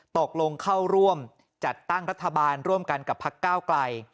ตกลงเข้าร่วมจัดตั้งรัฐบาลร่วมกันกับพักก้าวไกล